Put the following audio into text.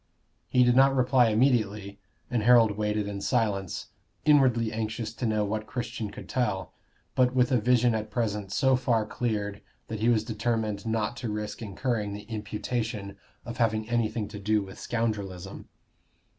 He did not reply immediately, and Harold waited in silence, inwardly anxious to know what Christian could tell, but with a vision at present so far cleared that he was determined not to risk incurring the imputation of having anything to do with scoundrelism.